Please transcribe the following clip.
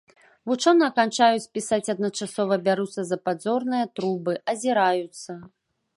Вучоныя канчаюць пісаць адначасова, бяруцца за падзорныя трубы, азіраюцца.